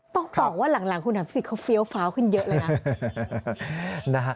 ต้องบอกว่าหลังคุณอภิษฎเขาเฟี้ยวฟ้าวขึ้นเยอะเลยนะ